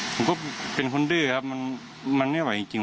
ผมก็เป็นคนดื้อครับมันไม่ไหวจริง